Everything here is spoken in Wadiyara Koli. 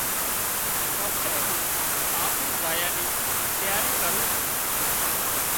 پسي مُون آفيس زايا نِي تياري ڪرُون سوُن۔